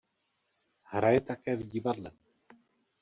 Hraje také v divadle.